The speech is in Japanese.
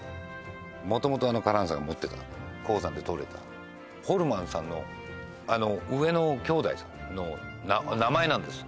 元々カランサが持ってた鉱山でとれたホルマンさんの上の兄弟さんの名前なんです